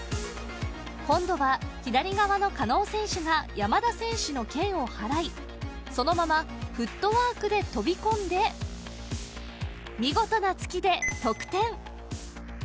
今度は左側の加納選手が山田選手の剣をはらいそのままフットワークで飛び込んで見事な突きで得点